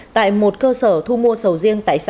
tại một cơ sở thu mua sầu riêng tại xã